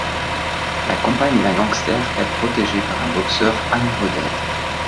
La compagne d'un gangster est protégée par un boxeur amoureux d'elle.